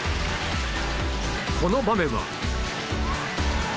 この場面は。